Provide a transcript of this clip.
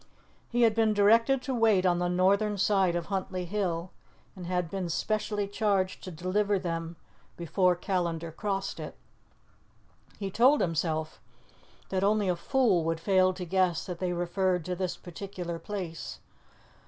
He had been directed to wait on the northern side of Huntly Hill, and had been specially charged to deliver them before Callandar crossed it. He told himself that only a fool would fail to guess that they referred to this particular place.